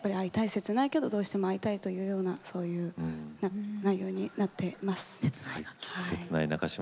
切ないけど、どうしても会いたいというような内容になっています。